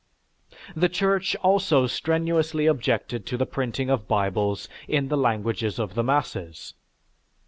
The Church also strenuously objected to the printing of Bibles in the languages of the masses.